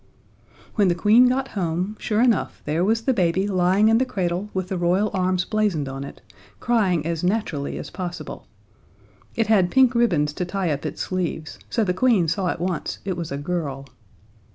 When the Queen got home, sure enough there was the baby lying in the cradle with the Royal arms blazoned on it, crying as naturally as possible. It had pink ribbons to tie up its sleeves, so the Queen saw at once it was a girl.